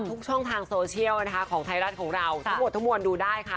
ทุกช่องทางโซเชียลนะคะของไทยรัฐของเราทั้งหมดทั้งมวลดูได้ค่ะ